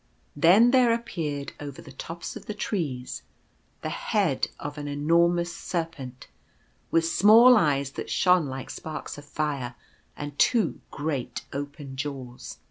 Then there appeared over the tops of the trees the head of an enormous Serpent, with small eyes that shone like sparks of fire, and two great open jaws.